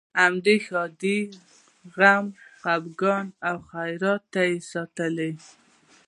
همدې ښادۍ، غم، خپګان او خیرات ته یې ساتلې.